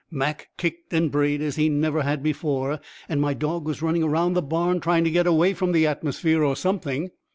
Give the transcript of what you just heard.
Mac kicked and brayed as he never had before, and my dog was running round the barn trying to get away from the atmosphere or something.